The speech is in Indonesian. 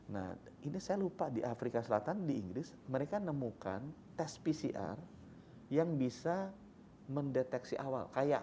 nah ini saya lupa di afrika selatan di inggris mereka nemukan tes pcr yang bisa mendeteksi awal